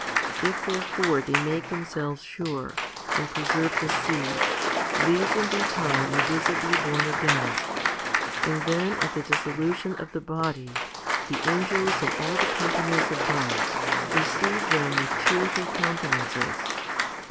If therefore they make them selves sure, and preserve the seed, these in due time are visibly born again, and then at the dissolution of the body the angels and all the companies above receive them with cheerful countenances.